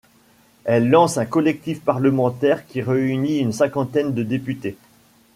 Elle lance un collectif parlementaire qui réunit une cinquantaine de députés.